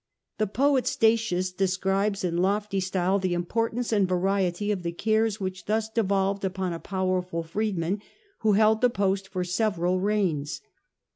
The poet Statius describes in lofty JJp style the importance and variety of the cares were which thus devolved upon a powerful freed rationibus man who held the post for several reigns, (treasurer.)